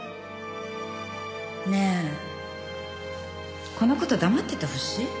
ねえこの事黙っててほしい？